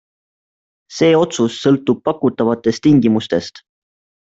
See otsus sõltub pakutavatest tingimustest.